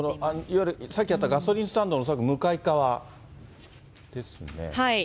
いわゆるさっき会ったガソリンスタンドのおそらく向かい側ではい。